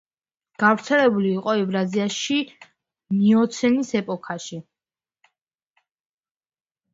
გავრცელებული იყო ევრაზიაში მიოცენის ეპოქაში.